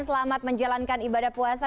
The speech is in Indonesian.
selamat menjalankan ibadah puasa